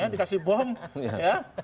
dikasih bom ya